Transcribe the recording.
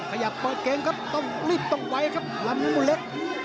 ขยับโบเก้งครับเรียบต่อไหวครับล้ำละมุนเล็ก